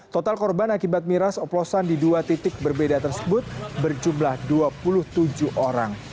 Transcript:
total korban akibat miras oplosan di dua titik berbeda tersebut berjumlah dua puluh tujuh orang